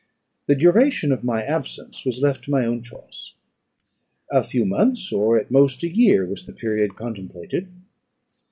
The duration of my absence was left to my own choice; a few months, or at most a year, was the period contemplated.